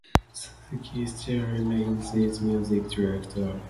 Suzuki still remains its music director.